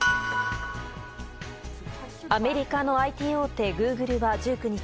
アメリカのＩＴ大手グーグルは１９日